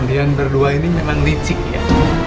biar berdua ini nyaman licik ya